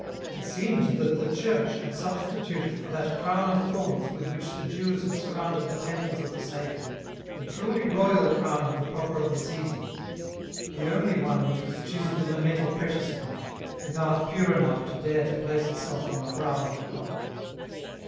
It seemed that the Church had substituted for that crown of thorns with which the Jews had surrounded the temples of the Saviour, the truly royal crown of the Proper of the 278 EN ROUTE. Seasons, the only one which was chiselled in a metal precious enough, with art pure enough to dare to place itself on the brow of a God.